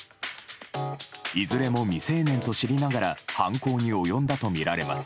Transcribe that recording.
いずれも未成年と知りながら犯行に及んだとみられます。